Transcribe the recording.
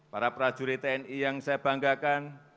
para prajurit tni yang saya banggakan